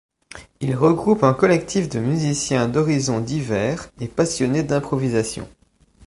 Il regroupe un collectif de musiciens d'horizons divers et passionnés d'improvisation.